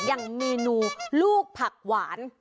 อย่างเมนูลูกผักหวาน